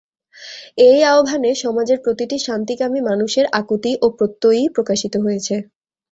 এই আহ্বানে সমাজের প্রতিটি শান্তিকামী মানুষের আকুতি ও প্রত্যয়ই প্রকাশিত হয়েছে।